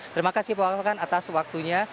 terima kasih pak elvan atas waktunya